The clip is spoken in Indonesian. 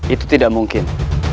itu tidak mungkin